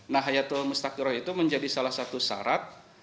nah hayatul mustaqiroh itu menjadi salah satu syarat